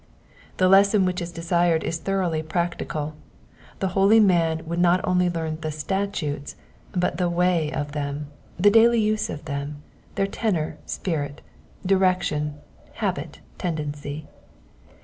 The lesson which is desired is thoroughly practical ; the holy man would not only learn the statutes^ but the way of them, the daily use of them, their tenor, spirit, direction, habit, tendency.